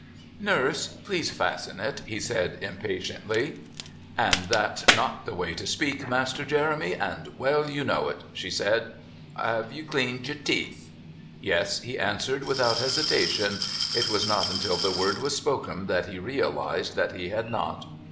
"Nurse. Please. Fasten it," he said impatiently. "And that's not the way to speak, Master Jeremy, and well you know it," she said. "'Ave you cleaned your teeth?" "Yes," he answered without hesitation. It was not until the word was spoken that he realised that he had not.